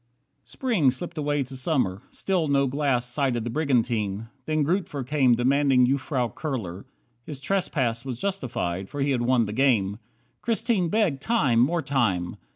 38 Spring slipped away to Summer. Still no glass Sighted the brigantine. Then Grootver came Demanding Jufvrouw Kurler. His trespass Was justified, for he had won the game. Christine begged time, more time!